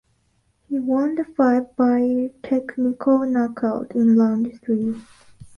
He won the fight via technical knockout in round three.